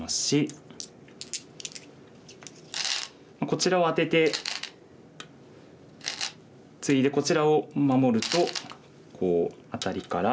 こちらをアテてツイでこちらを守るとこうアタリから。